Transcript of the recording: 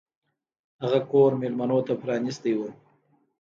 هغه کور میلمنو ته پرانیستی و.